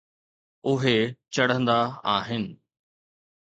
اهي چڙهندا آهن.